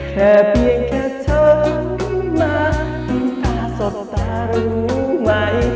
แค่เบียงแค่เธอมาติ้นตาสดตารู้ไหม